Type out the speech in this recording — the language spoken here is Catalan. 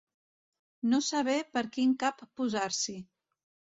No saber per quin cap posar-s'hi.